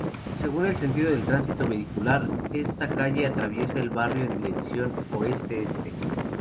Según el sentido del tránsito vehicular, esta calle atraviesa el barrio en dirección Oeste-Este.